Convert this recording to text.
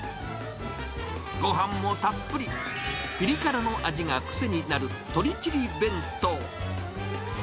ごはんもたっぷり、ピリ辛の味が癖になる鶏チリ弁当。